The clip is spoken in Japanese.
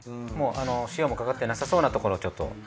塩もかかってなさそうなところをちょっと。